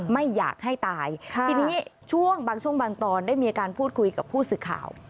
ไม่อยากให้ตายทีนี้ช่วงบางช่วงบางตอนได้มีการพูดคุยกับผู้สื่อข่าว